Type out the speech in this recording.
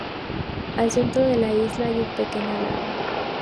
Al centro de la isla hay un pequeño lago.